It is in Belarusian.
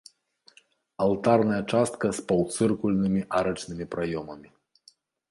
Алтарная частка з паўцыркульнымі арачнымі праёмамі.